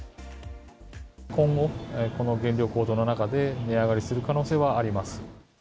今後、この原料高騰の中で、値上がりする可能性はあります。